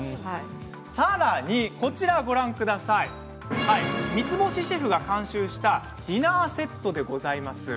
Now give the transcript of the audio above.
さらに、こちらは三つ星シェフが監修したディナーセットでございます。